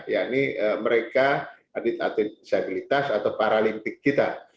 ya ini mereka atlet atlet disabilitas atau paralimpik kita